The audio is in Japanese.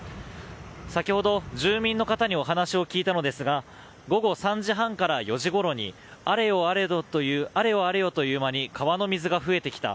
先ほど、住民の方にお話を聞いたのですが午後３時半から４時ごろにあれよあれよという間に川の水が増えてきた。